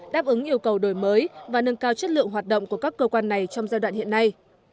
đáp ứng yêu cầu đổi mới và nâng cao chất lượng hoạt động của các cơ quan này trong giai đoạn hiện nay